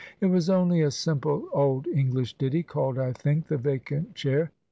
It was only a simple old Eng lish ditty called, I think, "The Vacant Chair."